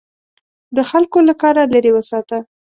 د خلکو له کاره لیرې وساته.